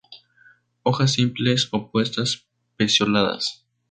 Hojas simples, opuestas, pecioladas.